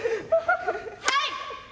はい！